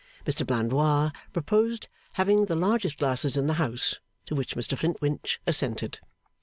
Mr Blandois proposed having the largest glasses in the house, to which Mr Flintwinch assented.